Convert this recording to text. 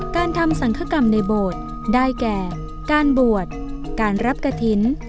การทำสังคกรรมในโบสถ์ได้แก่การบวชการรับกระถิ่น